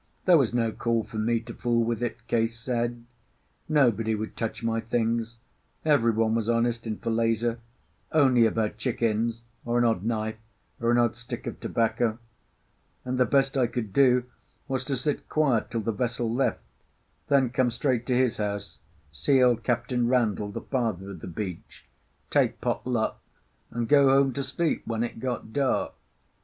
There was no call for me to fool with it, Case said; nobody would touch my things, everyone was honest in Falesá, only about chickens or an odd knife or an odd stick of tobacco; and the best I could do was to sit quiet till the vessel left, then come straight to his house, see old Captain Randall, the father of the beach, take pot luck, and go home to sleep when it got dark.